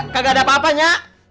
gak ada apa apanya